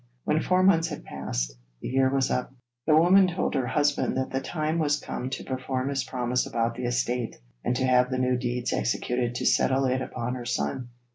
When four months had passed, and the year was up, the woman told her husband that the time was come to perform his promise about the estate, and to have the new deeds executed to settle it upon her son.